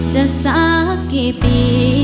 สักกี่ปี